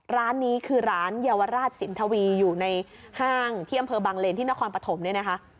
ร้านนี้คือร้านเยาวราชสินทวีอยู่ในห้างที่อำเภอบางเลนที่นครปฐมเนี่ยนะคะ